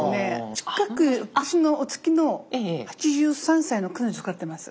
近く私のお付きの８３歳の彼女使ってます。